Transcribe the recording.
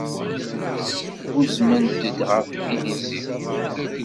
Uznen-t ɣer Illizi.